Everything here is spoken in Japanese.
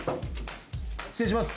失礼します。